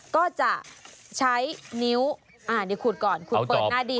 ก็จะใช้นิ้วขุดก่อนขุดเปิดหน้าดี